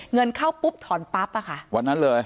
เงินเข้าปุ๊บถอนปั๊บอะค่ะวันนั้นเลย